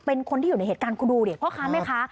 เป็นคนที่อยู่ในเหตุการณ์กูดูดิเพราะค่ะแม่คะ